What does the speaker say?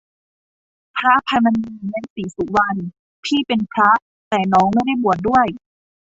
พระอภัยมณี และศรีสุวรรณ พี่เป็นพระ แต่น้องไม่ได้บวชด้วย